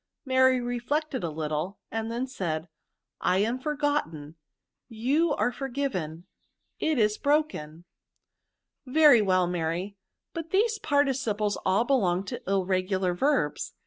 Mary reflected a little, and then said, —'^ I am forgotten, you are forgiven, it is broken." A A 2 ^68 VERBS. "Very well, Mary; but these participlea all belong to irregular verbs.